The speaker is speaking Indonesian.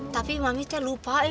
tapi mami teh lupa eh